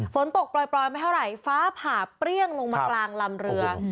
ฝนตกปล่อยไม่เท่าไหร่ฟ้าผ่าเปรี้ยงลงมากลางลำเรือ